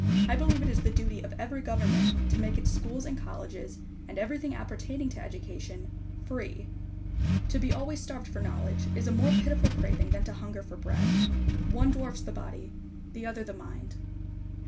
I believe it is the duty of every government to make its schools and colleges, and everything appertaining to education FREE. To be always starved for knowledge is a more pitiful craving than to hunger for bread. One dwarfs the body; the other the mind.